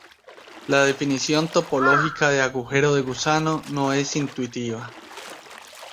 La definición topológica de agujero de gusano no es intuitiva.